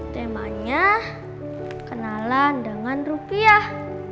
temanya kenalan dengan rupiah